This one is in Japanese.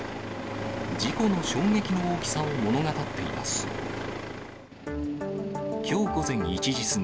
事故の衝撃の大きさを物語っています。